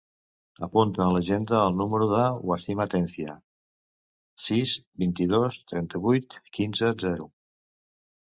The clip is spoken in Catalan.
Apunta a l'agenda el número del Wasim Atencia: sis, vint-i-dos, trenta-vuit, quinze, zero.